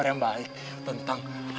keluar dari kehidupan baru